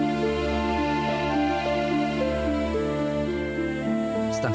aku akan mencubanya